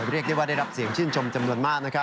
เรียกได้ว่าได้รับเสียงชื่นชมจำนวนมาก